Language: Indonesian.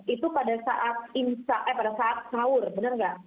itu pada saat insya eh pada saat sahur benar tidak